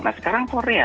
nah sekarang korea